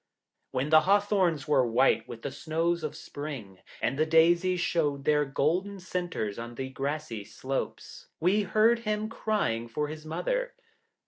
When the hawthorns were white with the snows of spring, and the daisies showed their golden centres on the grassy slopes, we heard him crying for his mother.